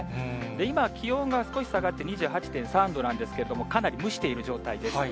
今、気温は少し下がって２８．３度なんですけれども、かなり蒸している状態です。